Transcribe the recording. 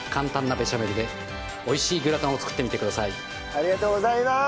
ありがとうございます！